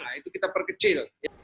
nah itu kita perkecil